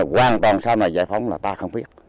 hoàn toàn sau này giải phóng là ta không biết